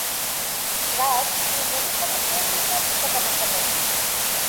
রাজ দুই বোনের সাথে প্রেম বিষয়ে ঠাট্টা-তামাশা করে।